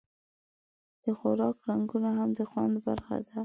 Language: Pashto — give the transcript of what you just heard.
د خوراک رنګونه هم د خوند برخه ده.